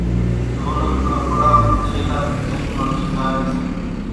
ڍولڪ نان پڙان ڇيلا نِي کلِ مان ٿِي ٺۿائيَ سي۔